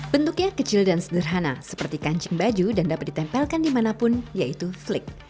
bentuknya kecil dan sederhana seperti kancing baju dan dapat ditempelkan dimanapun yaitu flik